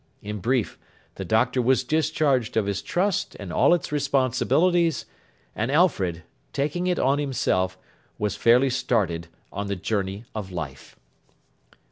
In brief, the Doctor was discharged of his trust and all its responsibilities; and Alfred, taking it on himself, was fairly started on the journey of life.